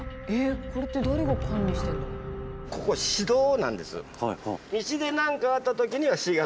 これって誰が管理してるんだろう？